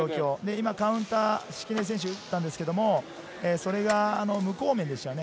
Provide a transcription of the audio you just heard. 今、カウンター、敷根選手が打ったんですが、それが無効面でしたね。